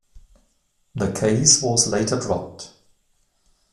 The case was later dropped.